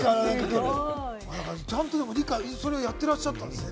ちゃんとやってらっしゃったんですね。